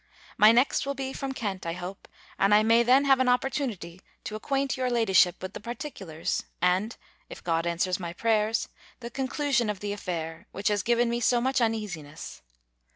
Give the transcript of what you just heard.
My next will be from Kent, I hope; and I may then have an opportunity to acquaint your ladyship with the particulars, and (if God answers my prayers), the conclusion of the affair, which has given me so much uneasiness.